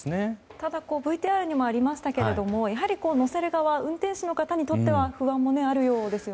ただ、ＶＴＲにもありましたけれども、乗せる側運転手の方にとっては不安もあるようですよね。